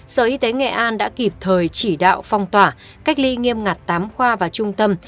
sở y tế nghệ an đã kịp thời chỉ đạo phong tỏa cách ly nghiêm ngặt tám khoa và trung tâm